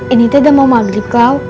ini tuh udah mau maghrib klau